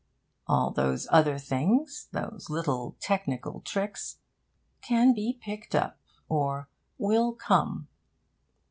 All those other things those little technical tricks 'can be picked up,' or 'will come.'